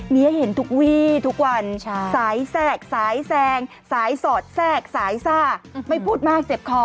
มีให้เห็นทุกวี่ทุกวันสายแทรกสายแซงสายสอดแทรกสายซ่าไม่พูดมากเจ็บคอ